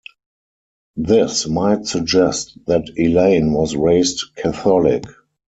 This might suggest that Elaine was raised Catholic.